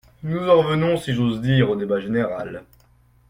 Nous en revenons, si j’ose dire, au débat général.